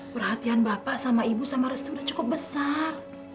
perhatian bapak sama ibu sama restu udah cukup besar